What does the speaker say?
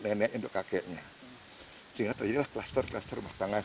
nenek untuk kakeknya sehingga terjadilah klaster klaster rumah tangga yang terjadi